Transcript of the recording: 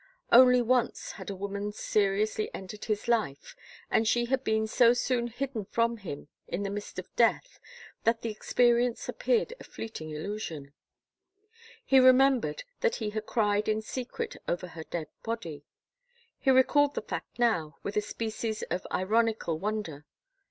Only once had a woman seriously entered his life and she had been so soon hidden from him in the mist of death that the experience appeared a fleeting illusion. He re membered that he had cried in secret over her dead body. He recalled the fact now with a species of ironical won der.